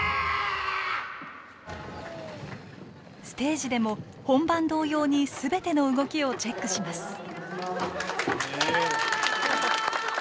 ステージでも本番同様にすべての動きをチェックします。